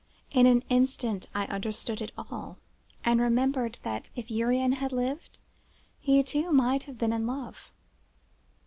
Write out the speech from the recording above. In an instant I understood it all, and remembered that, if Urian had lived, he too might have been in love.